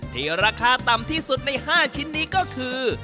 ที่ราคาต่ำที่สุดใน๕ชิ้นนี้ก็คือ